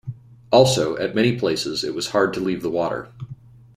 Also, at many places it was hard to leave the water.